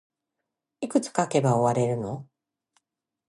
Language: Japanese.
いくつ書けば終われるの